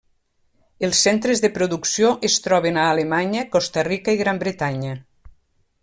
Els centres de producció es troben a Alemanya, Costa Rica i Gran Bretanya.